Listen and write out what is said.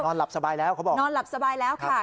หลับสบายแล้วเขาบอกนอนหลับสบายแล้วค่ะ